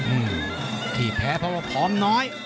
อืมที่แพ้เพราะว่าพร้อมน้อย